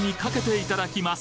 いただきます。